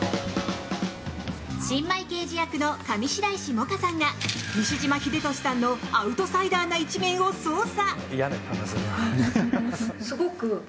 新米刑事役の上白石萌歌さんが西島秀俊さんのアウトサイダーな一面を捜査！